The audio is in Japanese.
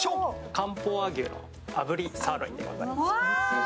漢方和牛の炙りサーロインでございます。